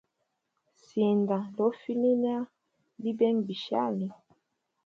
Sinda lyofuliya bibenga bishali.